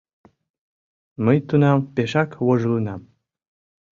— Мый тунам пешак вожылынам.